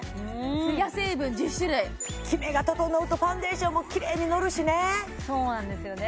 ツヤ成分１０種類キメが整うとファンデーションもキレイにのるしねそうなんですよね